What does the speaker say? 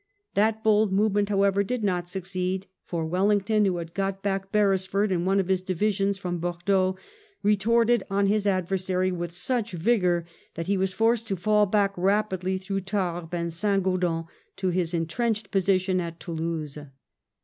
That bold movement^ however, did not succeed; for Wellington, who had got back Beresford and one of his divisions from Bourdeaux, retorted on his adversary with such vigour that he was forced to fall back rapidly through Tarbes and St Gaudens to his entrenched position at Toulouse.